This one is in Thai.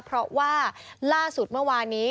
เพราะว่าล่าสุดเมื่อวานี้